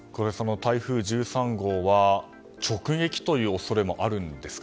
台風１３号は直撃という恐れもあるんですか？